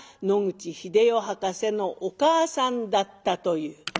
野口英世博士のお母さんだったという。